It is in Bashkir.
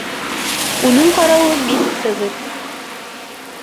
Уның ҡарауы, мин Цезарь.